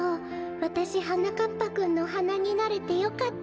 わたしはなかっぱくんのはなになれてよかった。